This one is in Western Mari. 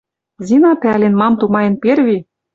Зина пӓлен: мам тумаен перви